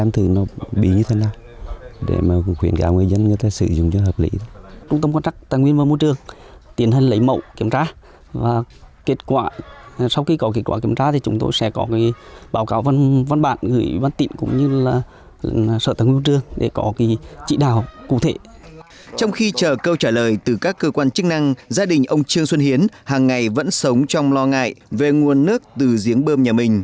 trong khi chờ câu trả lời từ các cơ quan chức năng gia đình ông trương xuân hiến hàng ngày vẫn sống trong lo ngại về nguồn nước từ giếng bơm nhà mình